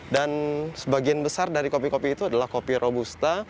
sebagian besar dari kopi kopi itu adalah kopi robusta